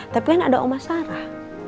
tapi kan ada oma sarah